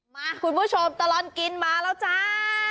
คุณผู้ชมตลอดกินมาแล้วจ้า